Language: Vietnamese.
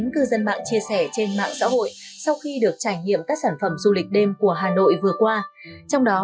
tuy nhiên để đảm bảo các sản phẩm du lịch này bền vững